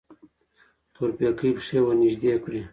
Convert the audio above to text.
تورپيکۍ پښې ورنږدې کړې.